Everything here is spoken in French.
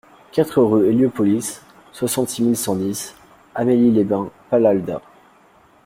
quatre rue Héliopolis, soixante-six mille cent dix Amélie-les-Bains-Palalda